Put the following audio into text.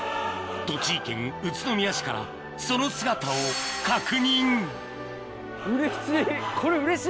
栃木県宇都宮市からその姿を確認うれしい。